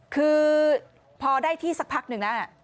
คือพอได้ที่สักพักหนึ่งแล้ว